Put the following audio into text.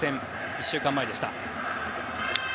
１週間前でした。